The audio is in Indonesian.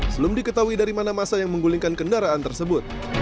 belum diketahui dari mana masa yang menggulingkan kendaraan tersebut